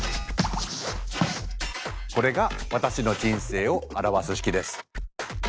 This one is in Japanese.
これが私の人生を表す式です。